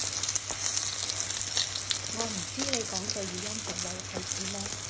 我唔知你講嘅語音服務係指咩